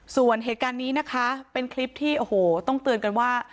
ส่วนเหตุการณ์นี้นะคะเป็นคลิปที่โอ้โหต้องเตือนกันว่า